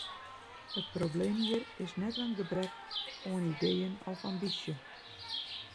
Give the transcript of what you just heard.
It probleem hjir is net in gebrek oan ideeën of ambysje.